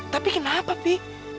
tapi kenapa pi